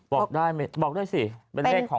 บอกได้สิเป็นเลขของรูปหล่อใช่ไหม